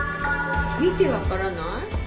見てわからない？